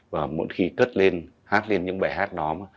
và mỗi khi cất lên hát lên những bài hát đó